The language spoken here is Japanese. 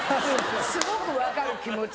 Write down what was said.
すごく分かる気持ち。